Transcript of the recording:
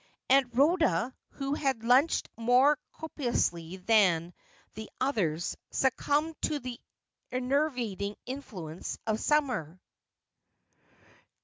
Aunt Ehoda, who had lunched more copiously than the others, succumbed to the enervating influence of summer.